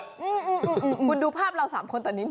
คุณดูภาพเรา๓คนตอนนี้นะ